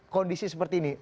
kondisi seperti ini